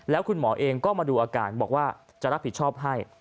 แล้วคุณหมอเองก็มาดูอาการบอกว่าจะรับผิดชอบให้